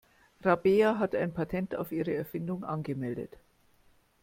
Rabea hat ein Patent auf ihre Erfindung angemeldet.